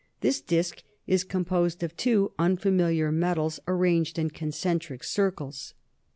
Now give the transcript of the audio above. This disc is composed of two unfamiliar metals, arranged in concentric circles.